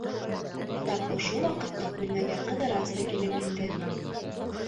Тап ошо ваҡытта бүлмәгә Ҡыҙырас та килеп инде.